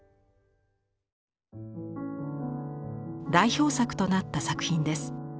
代表作となった作品です。